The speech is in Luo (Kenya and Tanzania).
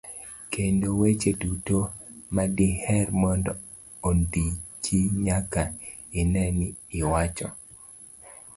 kendo weche duto madiher mondo ondiki nyaka ine ni iwacho.